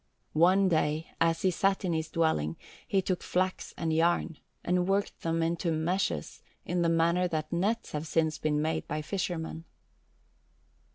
One day, as he sat in his dwelling, he took flax and yarn, and worked them into meshes in the manner that nets have since been made by fishermen.